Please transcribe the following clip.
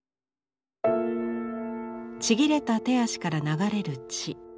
ちぎれた手足から流れる血。